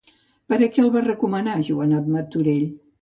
Per a què el va recomanar Joan Martorell?